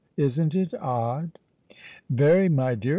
Isn't it odd?" "Very, my dear.